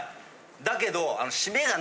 だけど。